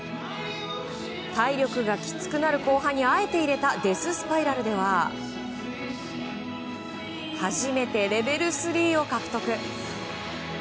体力がきつくなる後半にあえて入れたデススパイラルでは初めてレベル３を獲得。